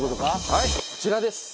はいこちらです。